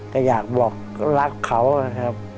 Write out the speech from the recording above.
แต่อยากบอกรักเขานะครับ